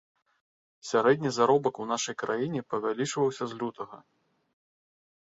Сярэдні заробак у нашай краіне павялічваўся з лютага.